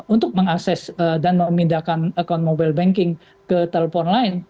untuk mengakses dan memindahkan account mobile banking ke telepon lain